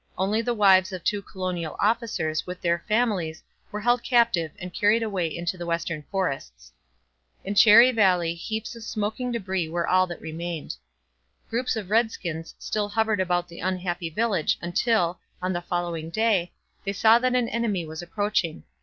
Only the wives of two colonial officers with their families were held captive and carried away into the western forests. In Cherry Valley heaps of smoking debris were all that remained. Groups of redskins still hovered about the unhappy village until, on the following day, they saw that an enemy was approaching.